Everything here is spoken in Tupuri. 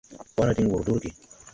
Wara diŋ wur iggi.